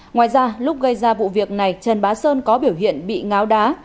ngoài ra lúc gây ra vụ việc này trần bá sơn có biểu hiện bị ngáo đá